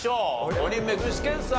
５人目具志堅さん